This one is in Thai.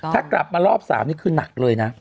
ถ้ากลับมารอบ๓นี่คือหนักเลยนะ